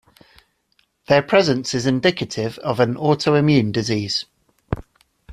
Their presence is indicative of an autoimmune disease.